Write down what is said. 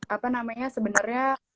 apa namanya sebenarnya